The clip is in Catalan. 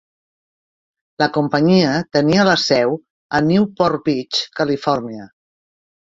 La companyia tenia la seu a Newport Beach, Califòrnia.